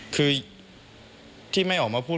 คือที่ไม่ออกมาพูด